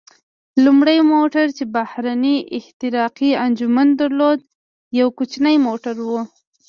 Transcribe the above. لومړی موټر چې بهرنی احتراقي انجن درلود، یو کوچنی موټر و.